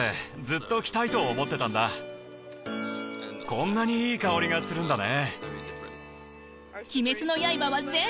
こんなにいい香りがするんだね。